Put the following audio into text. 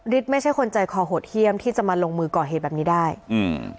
ไม่ใช่คนใจคอโหดเยี่ยมที่จะมาลงมือก่อเหตุแบบนี้ได้อืม